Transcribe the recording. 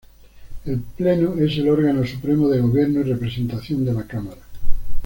El Pleno es el órgano supremo de gobierno y representación de la Cámara.